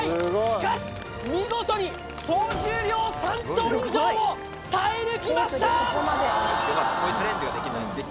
しかし見事に総重量３ｔ以上を耐え抜きました